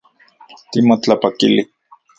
Timotlapakili